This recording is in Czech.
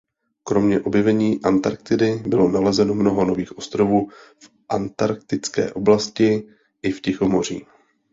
Kromě objevení Antarktidy bylo nalezeno mnoho nových ostrovů v antarktické oblasti i v Tichomoří.